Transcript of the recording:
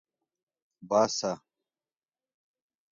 باسه